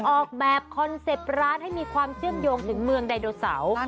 ออกแบบคอนเซ็ปต์ร้านให้มีความเชื่อมโยงถึงเมืองไดโนเสาร์